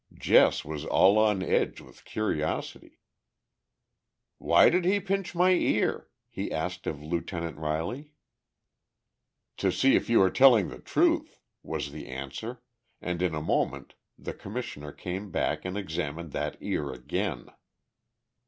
Jess was all on edge with curiosity. "Why did he pinch my ear?" he asked of Lieutenant Riley. "To see if you are telling the truth," was the answer, and in a moment the Commissioner came back and examined that ear again.